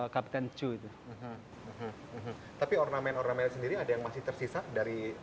kapten chui itu tapi ornamen ornamen sendiri ada yang masih tersisa dari